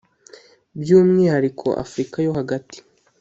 by’umwihariko Afurika yo hagati